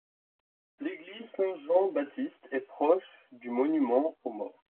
L'église Saint-Jean-Baptiste est proche du monument aux morts.